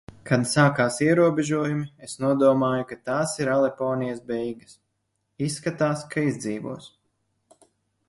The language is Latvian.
Kad sākās ierobežojumi, es nodomāju, ka tās ir Aleponijas beigas. Izskatās, ka izdzīvos.